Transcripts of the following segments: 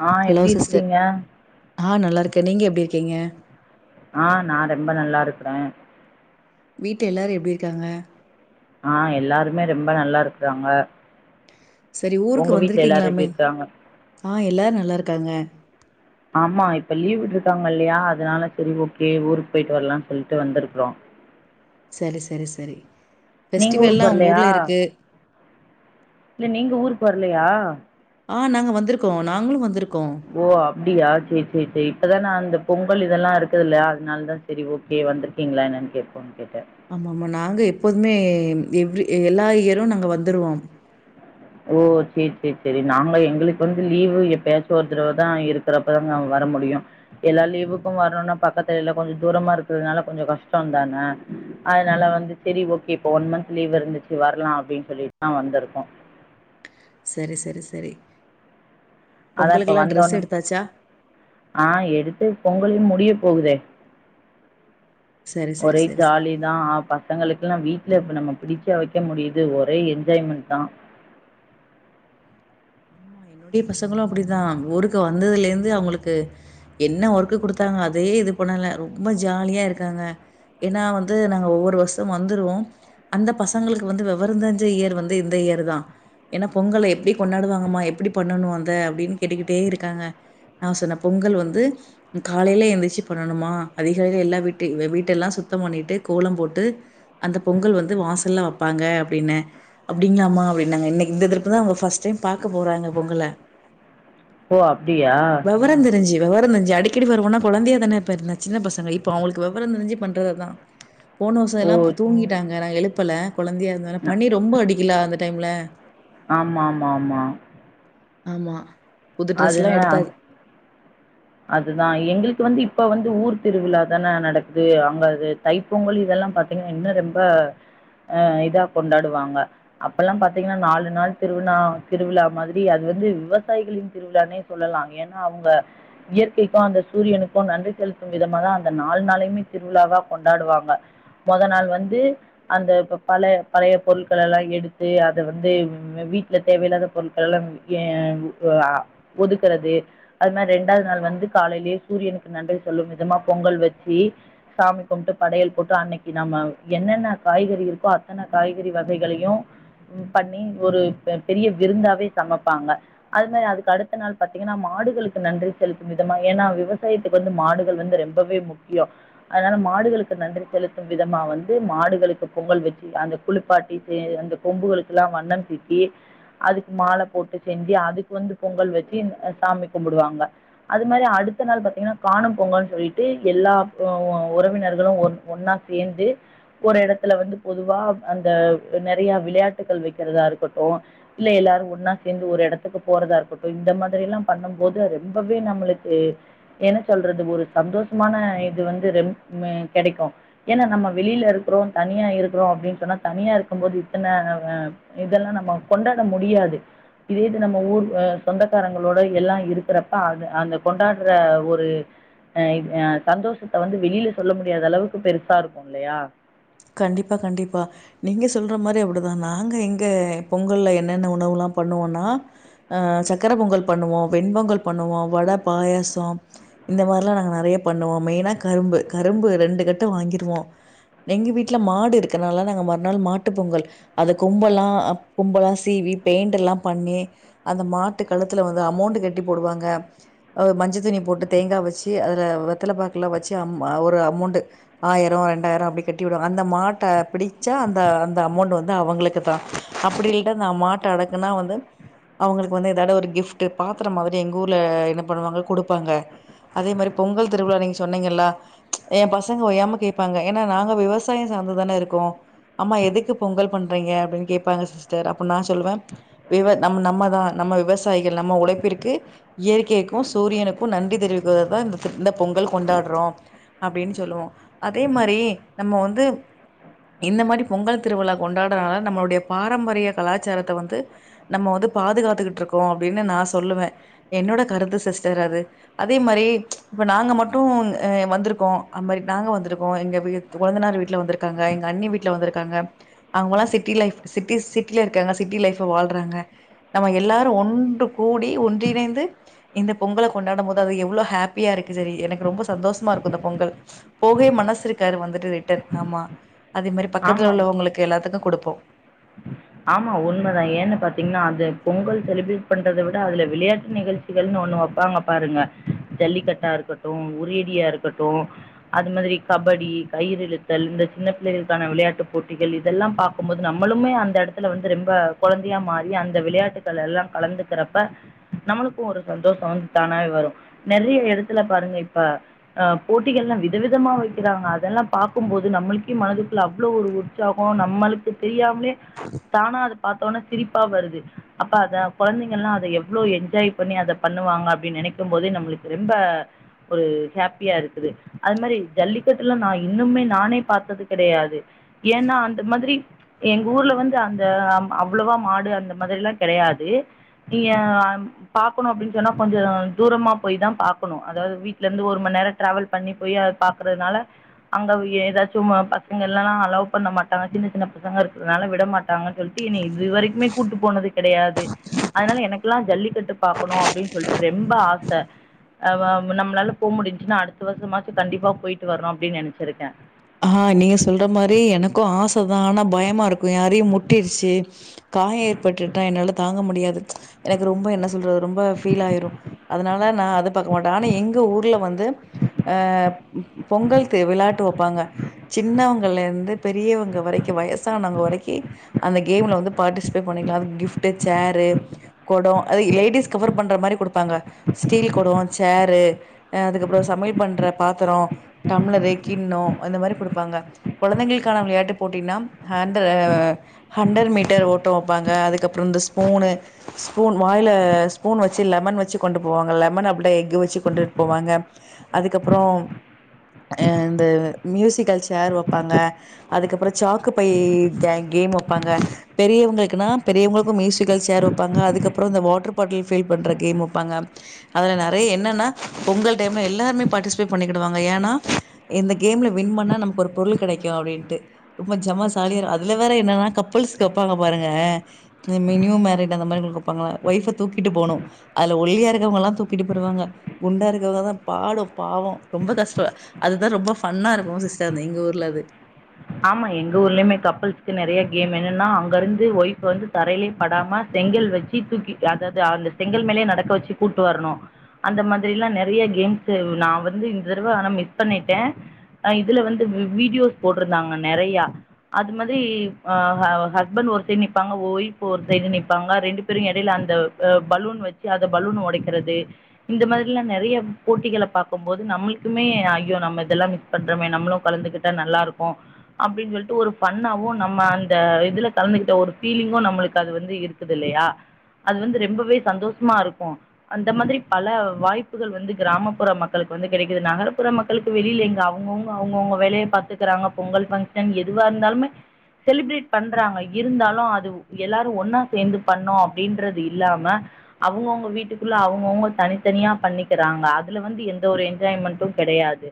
ஆ hello எப்படி sister இருக்கிறீங்க? ஆ நல்லா இருக்கே நீங்க எப்டி இருக்கீங்க ஆ நா ரொம்ப நல்லா இருக்கிறே வீட்ல எல்லாரு எப்டி இருக்காங்க ஆ எல்லாருமே ரொம்ப நல்லா இருக்குறாங்க சரி ஊருக்கு உங்க வீட்ல எல்லாரு வந்திருக்கீங்களாமே எப்டி இருக்காங்க ஆ எல்லாரு நல்லாருக்காங்க ஆமா இப்ப லீவ் விட்டுட்டாங்க இல்லையா அதனால சரி ஓகே ஊருக்கு போயிட்டு வரலான்னு சொல்லிட்டு வந்திருக்குறோ சரி சரி சரி நீங்க ஃபெஸ்டிவல்லா ஊருக்கு உங்க வரலையா? ஊர்ல இருக்கு இல்ல நீங்க ஊருக்கு வரலையா ஆ நாங்க வந்திருக்கோ நாங்களு வந்திருக்கோ ஓ அப்டியா சேரி சேரி சேரி இப்பதா நான் அந்த பொங்கல் இதெல்லா இருக்குது இல்ல அதுனாலதா செரி ஓகே வந்திருக்கீங்களா என்னான் கேப்போன்னு கேட்டே ஆமா ஆமா நாங்க எப்போதுமே எவ்ரி எல்லா இயரும் நாங்க வந்துருவோ ஓ சேரி சேரி சேரி நாங்க எங்களுக்கு வந்து லீவு எப்பயாச்சு ஒரு தடவை தா இருக்கிறப்பதாங்க வர முடியு எல்லா லீவுக்கு வரணுனா பக்கத்துல இல்ல கொஞ்ச தூரமா இருக்கிறதுனால கொஞ்ச கஷ்டந்தானே அதனால வந்து சேரி ஓகே இப்ப ஒன் மந்த் லீவ் இருந்துச்சு வரலா அப்டின்னு சொல்லிட்டுதா வந்திருக்கோ செரி செரி செரி அதான் இப்போ பொங்கலுக்கெல்லா ட்ரெஸ் வந்தோனே எடுத்தாச்சா ஆ எடுத்து பொங்கலுயு முடிய போகுதே சரி சரி ஒரே சரி சரி ஜாலி தா அ பசங்களுக்குல்லா வீட்ல இப்ப நம்ம பிடிச்சா வைக்க முடியுது ஒரே என்ஜாய்மெண்ட் தா ஆமா என்னுடைய பசங்களு அப்படிதா ஊருக்கு வந்ததுலருந்து அவங்களுக்கு என்ன ஒர்க்கு குடுத்தாங்க அதே இது பண்ணல ரொம்ப ஜாலியா இருக்காங்க ஏன்னா வந்து நாங்க ஒவ்வொரு வருஷமு வந்துருவோ அந்த பசங்களுக்கு வந்து வெவரம் தெரிஞ்ச இயர் வந்து இந்த இயர் தா ஏன்னா பொங்கல எப்டி கொண்டாடுவாங்கம்மா எப்டி பண்ணணு அந்த அப்டின்னு கேட்டுக்கிட்டே இருக்காங்க நா சொன்னே பொங்கல் வந்து காலையில எந்திருச்சி பண்ணணுமா அதிகாலையில எல்லா வீட்டு வீட்ட எல்லா சுத்தம் பண்ணிட்டு கோலம் போட்டு அந்த பொங்கல் வந்து வாசல்ல வெப்பாங்க அப்டின்னே அப்படிங்களமா அப்படின்னாங்க இன்னைக்கு இந்த திரப்பு தா அவங்க அஃபஸ்ட் டைம் பாக்க போறாங்க பொங்கல ஓ அப்டியா விவர தெரிஞ்சு விவர தெரிஞ்சு அடிக்கடி வருவோன்னா குழந்தையா தானே அப்போ இருந்தா சின்ன பசங்க இப்ப அவுங்களுக்கு விவர தெரிஞ்சு பண்றது அதா போன வருச ஓ! எல்லா தூங்கிட்டாங்க நா எழுப்பல குழந்தையா இருந்தனால ந பனி ரொம்ப அடிக்குல அந்த டைம்ல ஆமா ஆமா ஆமா ஆமா புது ட்ரெஸ் எல்லா எடுத்தா அதுதா எங்களுக்கு வந்து இப்ப வந்து ஊர் திருவிழா தானே நடக்குது அங்க அது தைப்பொங்கல் இதெல்லா பாத்தீங்கன்னா இன்னு ரொம்ப அ இதா கொண்டாடுவாங்க அப்ப எல்லா பாத்தீங்கன்னா நாலு நாள் திருவினா திருவிழா மாதிரி அது வந்து விவசாயிகளின் திருவிழானே சொல்லலாம் ஏன்னா அவுங்க இயற்கைக்கு அந்த சூரியனுக்கு நன்றி செலுத்தும் விதமா தா அந்த நாலு நாளையுமே திருவிழாவா கொண்டாடுவாங்க முத நாள் வந்து அந்த பழ பழைய பொருட்கள் எல்லா எடுத்து அதை வந்து வீட்ல தேவையில்லாத பொருட்கள் எல்லா ஏ ஆ ஒதுக்குறது அது மாரி ரெண் டாது நாள் வந்து காலையிலே சூரியனுக்கு நன்றி சொல்லும் விதமா பொங்கல் வச்சி சாமி கும்ட்டு படையல் போட்டு அன்னைக்கு நம்ம என்னென்ன காய்கறி இருக்கோ அத்தன காய்கறி வகைகளையு ம் பண்ணி ஒரு பெரிய விருந்தாவே சமைப்பாங்க அது மாரி அதுக்கு அடுத்த நாள் பாத்தீங்கன்னா மாடுகளுக்கு நன்றி செலுத்து விதமா ஏன்னா விவசாயத்துக்கு வந்து மாடுகள் வந்து ரெம்பவே முக்யோ அதனால மாடுகளுக்கு நன்றி செலுத்தும் விதமா வந்து மாடுகளுக்கு பொங்கல் வெச்சு அந்த குளிப்பாட்டிட்டு அந்த கொம்புகளுக்குல்லா வண்ணம் தீட்டி அதுக் மால போட்டு செஞ்சு அதுக்கு வந்து பொங்கல் வெச்சு அ சாமி கும்பிடுவாங்க அது மாரி அடுத்த நாள் பாத்தீங்கனா காணும் பொங்கல்ன் சொல்லிட்டு எல்லா ஒ உறவினர்களு ஒன் ஒன்னா சேந்து ஒரு எடத்துல வந்து பொதுவா அந்த நெறைய விளையாட்டுகள் வெக்கறதா இருக்கட்டு இல்ல எல்லாரு ஒன்னா சேந்து ஒரு எடத்துக் போறதா இருக்கட்டு இந்த மாத்ரில்லா பண்ணும் போது அது ரொம்பவே நம்ளுக்கு என்ன சொல்றது ஒரு சந்தோஷமான இது வந்து ரெம்ப் கெடைக்கு ஏன்னா நம்ம வெளியில இருக்கிறோ தனியா இருக்கிறோ அப்டின் சொன்னா தனியா இருக்கும்போது இத்தன இதெல்லா நாம கொண்டாட முடியாது இதே இது நம்ம ஊர் ஆ சொந்தக்காரங்களோட எல்லா இருக்கறப் அ அது அந்த கொண்டாட்ற ஒரு ஆ சந்தோஷத்த வந்து வெளியில சொல்ல முடியாதளவுக் பெருசா இருக்கு இல்லயா கண்டிப்பா கண்டிப்பா நீங்க சொல்ற மாரி அப்டிதா நாங்க எங்க பொங்கல்ல என்னென்ன உணவுலா பண்ணுவோனா ஆ சக்கர பொங்கல் பண்ணுவோ வெண்பொங்கல் பண்ணுவோ வட பாயாசோ இந்த மாரிலா நாங்க நெறைய பண்ணுவோ மெயினா கரும்பு கரும்பு ரெண்டு கட்ட வாங்கிருவோ எங்க வீட்ல மாடு இருக்கிறனால நாங்க மறுநாள் மாட்டு பொங்கல் அத கும்பல்லா கும்பல்லா சீவி பெயிண்ட் எல்லா பண்ணி அந்த மாட்டு கழுத்துல வந்து அமௌண்ட் கட்டி போடுவாங்க அ மஞ்ச துணி போட்டு தேங்கா வெச்சு அதில வெத்தல பாக்கெலா வெச்சு அம் ஒரு அமௌண்டு ஆயரோ ரெண்டாயரோ அப்டி கட்டி. விடுவோ அந்த மாட்ட பிடிச்சா அந்த அந்த அமௌண்ட் வந்து அவுங்களுக்கு தா அப்டி இல்ல நா மாட் ட்ட அடக்குனா வந்து அவுங்குளுக் வந்து இதாட ஒரு கிஃப்ட்டு பாத்தரமாவது எங்க ஊர்ல என்ன பண்ணுவாங்க குடுப்பாங்க அதே மாரி பொங்கல் திருவிழா நீங் சொன்னீங்கள்ள ஏ பசங்க ஒயாம கேட்பாங்க ஏன்னா நாங் க விவசாயோ சாந்துதானே இருக்கு அம்மா எதுக்கு பொங்கல் பண்றீங்க அப்டின் கேட்பாங்க சிஸ்டர் அப்ப நா சொல்லுவே விவ நம் நம்மதா நம்ம விவசாயிகள் நம்ம உழைப்பிற்கு இயற்கைக்கு சூரியனுக்கு நன்றி தெரிவிக்கர்ததா இந்த இந்த பொங்கல் கொண்டாட்றோ அப்டின் சொல்லுவோ அதே மாரி நம்ம வந்து இந்த மாரி பொங்கல் திருவிழா கொண்டாட்றனால நம்ளோடைய பாரம்பரிய கலாச்சாரத்த வந்து நம்ம வந்து பாதுகாத்துக்கிட்ருக்கோ அப்டினு நா சொல்லுவே என்னோட கருத்து சிஸ்டர் அது அதே மாரி இப்ப நாங்க மட்டு அ வந்துருக்கோ அது மாரி நாங்க வந்துருக்கோ எங்க கொழந்தனார் வீட்ல வந்துருக்காங்க எங்க அண்ணி வீட்ல வந்துருக்காங்க அவுங்கலா சிட்டி லைஃப் சிட்டிஸ் சிட்டியில இருக்காங்க சிட்டி லைஃப்ஃப வாழ்றாங்க நாம எல்லாரு ஒன்று கூடி ஒன்றிணைந்து இந்த பொங்கல கொண்டாட போது அது எவ்ளோ ஹாப்பிய இருக்கு சேரி எனக் ரொம்ப சந்தோஷமா இருக்கு இந்த பொங்கல் போகவே மனசு இருக்காரு வந்துட்டு ரிட்டன் ஆமா அதே மாரி பக்கத்துல ஆமாம். உள்ளவங்களுக்கு எல்லாத்துக்கு குடுப்போ ஆமா உண்மதா ஏன்னு பாத்தீங்கன்னா அது பொங்கல் செலிப்ரேட் பண்றத விட அதுல விளையாட்டு நிகழ்ச் சிகள்னு ஒண்ணு வெப்பாங்க பாருங்க ஜல்லிக்கட்டா இருக்கட்டு உரியடியா இருக்கட்டு அது மாத்ரி கபடி கையிரிலுத்தல் இந்த சின்ன பிள்ளைகளுக்கான விளையாட்டுப் போட்டிகள் இதெல்லா பாக் க்கும்போது நம்முளுமே அந்த எடத்துல வந்து ரொம்ப கொழந்தையா மாறி அந்த விளையாட்டுகள் எல்லா கலந்துக்கிறப்ப நம்மளுக்கு ஒரு சந்தோஷம் வந்து தானாவே வரும் நிறைய எடத்துல பாருங்க இப்ப அ போட்டிகள் எல்லா விதவிதமா வக்கிறாங்க அதெல்லா பாக்கும்போது நம்மள்க்கே மனதுக்குள்ள அவ்ளோ ஒரு தியாகம் நம்மள்க்கு தெரியாமலே தானா அது பாத்த உட்னே சிரிப்பா வருது அப்ப அத கொழந்தைங்க எல்லா அதை எவ்ளோ என்ஜாய் பண்ணி அதை பண்ணுவாங்க அப்படின்னு நினைக்கும் போதே நம்மளுக்கு ரெம்ப ஒரு ஹாப்பியா இருக்குது அது மாறி ஜல்லிக்கட்டுலா நா இன்னுமே நானே பாத்தது கெடையாது ஏன்னா அந்த மாதிரி எங்க ஊர்ல வந்து அந் த அவ்வளவா மாடு அந்த மாதிரில்லா கெடையாது நீ ஏ பாக்கணு அப்படின்னு சொன்னா கொஞ்சோ தூரமா போய் தா பாக்கணும் அதாவது வீட்ல இருந்து ஒரு மண் நேரம் ட்ராவல் பண்ணி போயி அது பாக்குறதுனால அங்க ஏதாச்சும் பசங்க எல்லான்னா அலோவ் பண்ண மாட்டாங்க சின்ன சின்ன பசங்க இருக்கறனால விடமாட் டாங்கன்னு சொல்ட்டு என்னய இது வரைக்குமே கூட்டு போனது கெடையாது அதனால எனக்கெல்லா ஜல்லிக்கட்டு பாக்கணு அப்படின்னு சொல்ட்டு ரெம்ப ஆச அ வ நம்மளால போ முடிஞ்சின்னா அடுத்த வருஷமாச்சு கண்டிப்பா போயிட்டு வரோ அப்டின்னு நெனைச்சிருக்கே ஆ நீங்க சொல்ற மாறி எனக்கும் ஆச தா ஆனா பயமா இருக்கும் யாரையு முட்டிருச்சு காயம் ஏற்பட்டுட்டா என்னால தாங்க முடியாது எனக்கு ரொம்ப என்ன சொல்றது ரொம்ப ஃபீல் ஆயிரு அதனால நா அத பாக்க மாட்டே ஆனா எங்க ஊர்ல வந்து அ பொங்கல்க்கு விளாட்டு வெப்பாங்க சின்னவங்கள்ல இருந்து பெரியவங்க வரைக்கி வயசானவங்க வரைக்கி அந்த கேம்ல வந்து பாட்டிசிபேட் பண்ணிக்கலா அதும் கிஃப்ட் சேரு கோடம் அது லேடிஸ் கவர் பண்ற மாறி குடுப்பாங்க ஸ்டீல் கோடம் சேரு அ அதுக்கப்பறோ சமையல் பண்ற பாத்தரோ டம்ளரு கிண்ணம் அந்த மாறி குடுப்பாங்க கொழந்தைகளுக்கான விளையாட்டுப் போட்டின்னா ஆண்ட்ரு ஹண்ரட் மீட்டர் ஓட்டம் வெப்பாங்க அதுக்கப்பறோ இந்த ஸ்பூனு ஸ்பூன் வாயில ஸ்பூன் வச்சு லெமன் வச்சு கொண்டு போவாங்க லெமன் அப்ட எக்கு வச்சு கொண்டுட்டு போவாங்க அதுக்கப்றோ அ இந்த மியூசிக்கல் சேர் வெப்பாங்க அதுக்கப்றோ சாக்கு பை கே கேம் வெப்பாங்க பெரியவங்களுக்குனா பெரியவங்களுக்கு மியூசிக்கல் சேர் வெப்பாங்க அதுக்கப்பறோ இந்த வாட்டர் பாட்டில் ஃபீல் பண்ற கேம் வெப்பாங்க அதுல நறைய என்னன்னா பொங்கல் டைம்ல எல்லாருமே பாட்டிசிபேட் பண்ணிகிடுவாங்க ஏன்னா இந்த கேம்ல வின் பண்ணா நமக்கு ஒரு பொருள் கிடைக்கு அப்படின்ட்டு ரொம்ப ஜமா சாலியா இருக்கு அதுல வேற என்னன்னா கப்புள்ஸ்க்கு வெப்பாங்க பாருங்க இந்த மினிமம் மேரிட் அந்த மாதிரி இருப்பாங்கல்ல ஒய்ஃப்ப தூக்கி போணு அதுல ஒல்லியா இருக்கவங்ககெல்லா தூக்கிட்டு போயிருவாங்க குண்டா இருக்கவங்க தா பாடு பாவோ ரொம்ப கஷ்டம் அதுதா ரொம்ப ஃபன்னா இருக்கும் சிஸ்டர் எங்க ஊர்ல அது ஆமா எங்க ஊர்லயுமே கப்பள்ஸ்க்கு நிறைய கேம் என்னன்னா அங்க இருந்து ஒய்ஃப் வந்து தரையிலயே படாம செங்கல் வச் சு தூக்கி அதாவது அந்த செங்கல் மேலயே நடக்க வச்சி கூப்ட்டு வரணு அந்த மாதிரி எல்லா நெறைய கேம்ஸ் நா வந்து இந்த தடவ ஆனா மிஸ் பண்ணிட்டே அ இதுல வந்து வீடியோஸ் போட்ருந்தாங்க நறையா அது மாதிரி ஆ ஹஸ்பண்ட் ஒரு சைடு நிப்பாங்க ஓய்ஃப் ஒரு சைடு நிப்பாங்க ரெண்டு பேரும் இடையில அந்த அ பலூன் வச்சி அத பலூன் உடைக்கிறது இந்த மாறில்லா நறைய போட்டிகள பாக்கும் போது நம்மளுக்குமே ஐய்யோ நம்ம இதெல்லா மிஸ் பண்றமே நம்மளும் கலந்துகிட்டா நல்லா இருக்கும் அப்டின்னு சொல்ட்டு ஒரு ஃபன்னாவும் நம்ம அந்த இதுல கலந்துகிட்ட ஒரு ஃபீலிங்கும் நம்மளுக்கு அது வந்து இருக்குது இல்லையா அது வந்து ரொம்பவே சந்தோஷமா இருக்கு அந்த மாதிரி பல வாய்ப்புகள் வந்து கிராமப்புற மக்களுக்கு வந்து கெடைக்குது நகர்புற மக் களுக்கு வெளியிலங்க அவுங்கவுங்க அவுங்கவுங்க வேலைய பாத்துக்கறாங்க பொங்கல் ஃபங்க்ஷன் எதுவா இருந்தாலுமே செலிப்ரேட் பண்றாங்க இருந்தாலு அது எல்லாரு ஒன்னா சேந்து பண்ணோ அப்டின்றது இல்லாம அவுங்கவுங்க வீட்டுக்குள்ள அவுங்கவுங்கள் தனித்தனியா பண்ணிக்கிறாங்க அதுல வந்து எந்த ஒரு என்ஜாய்மெண்ட்டு கெடையாது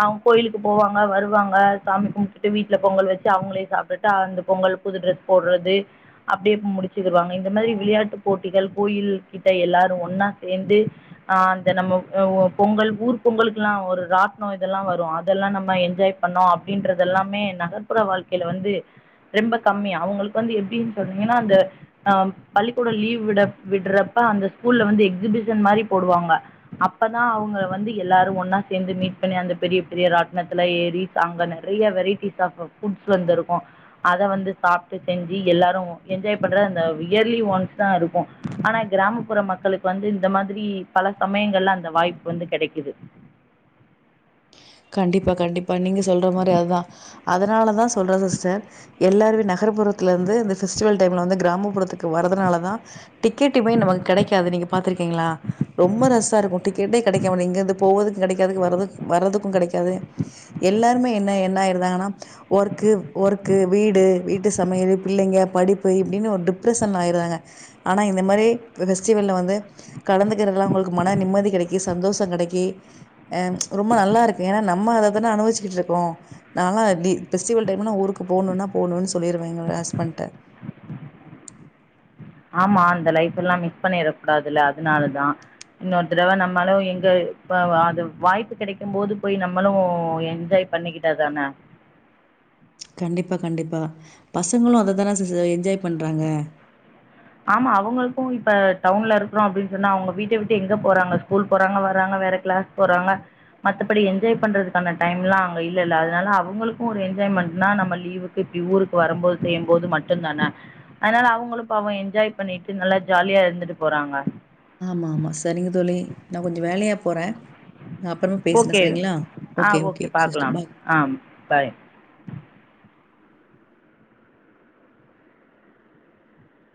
அவுங்க கோயிலுக்கு போவாங்க வருவாங்க சாமி கும்டுட்டு வீட்ல பொங்கல் வச்சி அவுங்களே சாப்ட்டுட்டு அந்த பொங்கல் புது ட்ரெஸ் போட்றது அப்டியேப்ப முடிச்சிக்குவாங்க இந்த மாரி விளையாட்டு போட்டிகள் கோயில் கிட்ட எல்லாரு ஒன்னா சேந்து ஆ அந்த நம்ம ஆ பொங்கல் ஊர் பொங்கலுக்கெல்லா ஒரு ராட்னோ இதெல்லா வரு அதெல்லா நம்ம என்ஜாய் பண்ணோ அப்டின்றது எல்லாமே நகர்ப்புற வாழ்க்கையில வந்து ரொம்ப கம்மி அவுங்களுக்கு வந்து எப்டின்னு சொன்னிங்கன்னா அந்த ஆ பள்ளிக்கூடோ லீவ் விட விடுறப்ப அந்த ஸ்கூல்ல வந்து எக்ஸிமிஷன் மாரி போடுவாங்க அப்பதா அவுங்க வந்து எல்லாரு ஒன்னா சேந்து மீட் பண்ணி அந்த பெரிய பெரிய ராட்னத்துல ஏறி சாங்கன நறைய வெரைட்டிஸ் ஆஃப் புட்ஸ் வந்து இருக்கு அத வந்து சாப்ட்டு செஞ்சி எல்லாரு என்ஜாய் பண்றது அந்த இயர்லி ஒன்ஸ் தா இருக்கு ஆனா கிராமப்புற மக்களுக்கு வந்து இந்த மாதிரி பல சமயங்கள்ல அந்த வாய்ப்பு வந்து கெடைக்குது கண்டிப்பா கண்டிப்பா நீங்க சொல்ற மாரி அதுதான அதனாலதா சொல்ற சிஸ்டர் எல்லாருமே நகர்புறத்துலருந்து இந்த ஃபெஸ்டிவல் டைம்ல வந்து கிராமப்புறத்துக்கு வர்றதுனால தா டிக்கெட்டுமே நமக்கு கெடைக்காது நீங்க பாத்துருக்கீங்களா ரொம்ப ரஸ்ஸா இருக்கு டிக்கெட்டே கெடைக்காம இங்கேருந்து போவதுக்கோ கெடைக்காது வரது வரதுக்கு கெடைக்காது எல்லாருமே என்ன என்ன ஆயிருதாங்கன்னா ஒர்க்கு ஒர்க்கு வீடு வீட்டு சமையலு பிள்ளைங்க படிப்பு இப்டின்னு ஒரு டிப்ரஷன்ல ஆயிர்றாங்க ஆனா இந்த மாரி ஃபெஸ்டிவல்ல வந்து கலந்துக்கிறதுல அவுங்களுக்கு மன நிம்மதி கெடைக்கி சந்தோஷோ கெடைக்கி ஆ ரொம்ப நல்லா இருக் ஏன்னா நம்ம அத தான அனுபவிச்சிட்டு இருக்கோ நா லா அப்டி ஃபெஸ்டிவல் டைம் நா ஊருக்கு போணுன்னா போணுன்னு சொல்லிருவ எங்க ஹஸ்பண்டட்ட ஆமா அந்த லைஃப் எல்லா மிஸ் பண்ணிடக் கூடாதுல்ல அதனாலதா இன்னொரு தரவ நம்மளோ எங்க இப்ப அது வாய்ப்பு கெடைக்கும் போது போய் நம்மளு என்ஜாய் பண்ணிக்கிட்டா தான கண்டிப்பா கண்டிப்பா பசங்களு அத தான சிஸ் என்ஜாய் பண்றாங்க ஆமா அவங்களுக்கு இப்ப டவுன்ல இருக்கிறோ அப்டின்னு சொன்னா அவுங்க வீட்ட விட்டு எங்க போறாங்க ஸ்கூல் போறாங்க வராங்க வேற கிளாஸ் போறாங்க மத்தபடி என்ஜாய் பண்றதுக்கான டைம்லா அங்க இல்லல்ல அதனால அவுங்களுக்கு ஒரு என்ஜாய்மெண்ட்னா நம்ம லீவு க்கு இப்டி ஊருக்கு வரும்போது செய்யும்போது மட்டுந்தான அதனால அவுங்களு ஃபாலோ என் ஜாய் பண்ணிட்டு நல்லா ஜாலியா இருந்துட்டு போறாங்க ஆமா ஆமா சரிங்க தோழி நா கொஞ்சோ வேலையா போற நா அப்பறமா பேசுற ஓகே சரிங்களா ஆ ஓகே ஓகே சிஸ்டர் பார்க்கலாம் பா ஆ பாய்